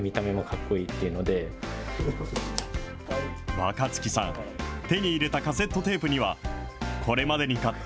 若月さん、手に入れたカセットテープには、これまでに買った